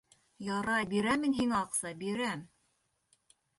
Ярай, бирәм мин һиңә аҡса, бирәм.